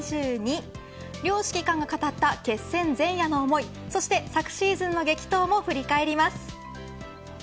両指揮官が語った決選前夜の思いそして昨シーズンの激闘も振り返ります。